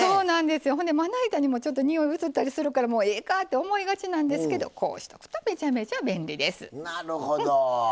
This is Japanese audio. まな板にも、ちょっとにおい移ったりするからもうええかと思いがちなんですけどこうするとめちゃくちゃ便利です。